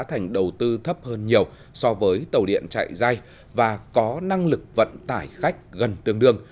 thành đầu tư thấp hơn nhiều so với tàu điện chạy dài và có năng lực vận tải khách gần tương đương